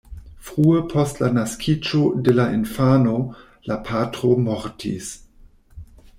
Frue post la naskiĝo de la infano, la patro mortis.